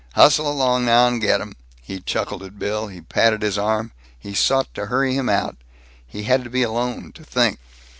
Hustle along now and get 'em!" He chuckled at Bill; he patted his arm; he sought to hurry him out.... He had to be alone, to think.